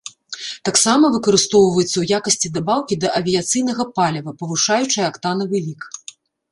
Таксама выкарыстоўваецца ў якасці дабаўкі да авіяцыйнага паліва, павышаючай актанавы лік.